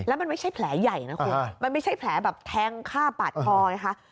แล้วมันไม่ใช่แผลใหญ่นะคุณมันไม่ใช่แผลแบบแทงฆ่าปาดคอไงคะ